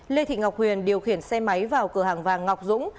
lê thị ngọc huyền điều khiển xe máy vào cửa hàng vàng ngọc dũng